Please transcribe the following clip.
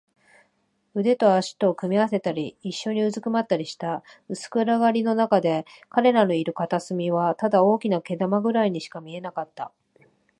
腕と脚とを組み合わせたり、いっしょにうずくまったりした。薄暗がりのなかで、彼らのいる片隅はただ大きな糸玉ぐらいにしか見えなかった。